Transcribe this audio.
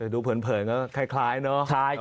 แต่ดูเผินก็คล้ายเนอะ